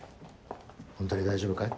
本当に大丈夫かい？